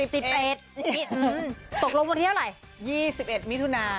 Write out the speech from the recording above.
ตกลงบันเที่ยวอะไร๒๑มิถุนา